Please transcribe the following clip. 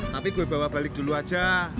tapi gue bawa balik dulu aja